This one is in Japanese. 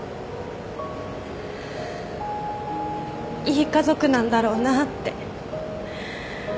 いい家族なんだろうなって。